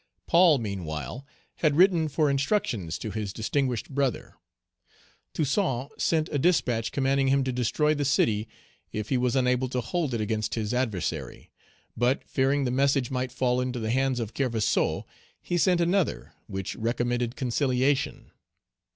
Paul, meanwhile, had written for instructions to his distinguished brother. Toussaint sent a dispatch commanding him to destroy the city if he was unable to hold it against his adversary. But, fearing the message might fall into the hands of Kerverseau, he sent another, which recommended conciliation.